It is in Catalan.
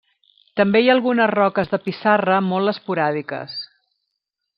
També hi ha algunes roques de pissarra molt esporàdiques.